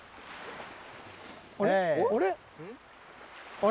あれ？